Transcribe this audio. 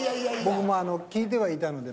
僕も聞いてはいたので。